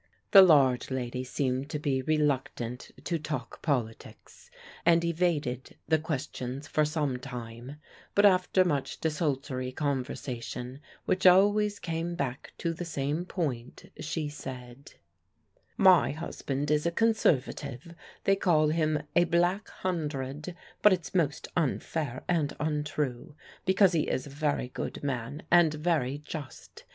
The large lady seemed to be reluctant to talk politics and evaded the questions for some time, but after much desultory conversation, which always came back to the same point, she said: "My husband is a Conservative; they call him a 'Black Hundred,' but it's most unfair and untrue, because he is a very good man and very just.